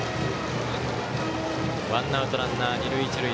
ワンアウト、ランナー、二塁一塁。